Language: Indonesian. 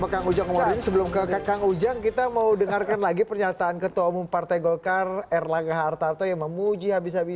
kami akan segera kembali